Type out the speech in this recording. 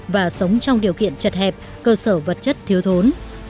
và sống trong điều kiện chật hẹp cơ sở vật chất thiếu thốn